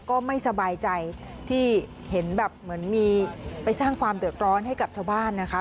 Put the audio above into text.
ก็ไม่สบายใจที่เห็นแบบเหมือนมีไปสร้างความเดือดร้อนให้กับชาวบ้านนะคะ